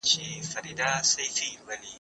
زه مخکي قلم استعمالوم کړی و